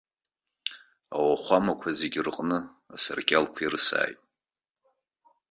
Ауахәамақәа зегьы рҟны асаркьалқәа ирысааит!